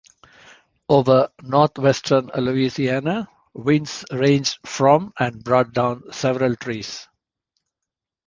Over northwestern Louisiana, winds ranged from and brought down several trees.